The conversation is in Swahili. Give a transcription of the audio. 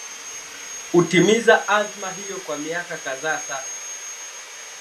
utimiza azma hiyo kwa miaka kadhaa sasa